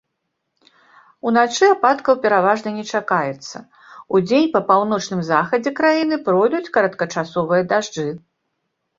Уначы ападкаў пераважна не чакаецца, удзень па паўночным захадзе краіны пройдуць кароткачасовыя дажджы.